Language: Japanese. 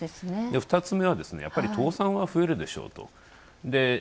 ２つ目は、やはり倒産は増えるでしょうと。